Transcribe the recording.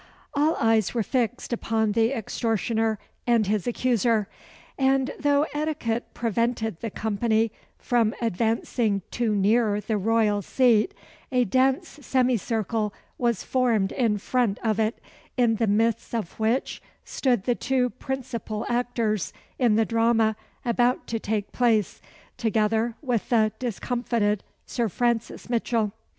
All eyes were fixed upon the extortioner and his accuser; and though etiquette prevented the company from advancing too near the royal seat, a dense semicircle was formed in front of it, in the midst of which stood the two principal actors in the drama about to take place, together with the discomfited Sir Francis Mitchell.